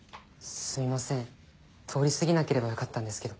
すみません通り過ぎなければよかったんですけど。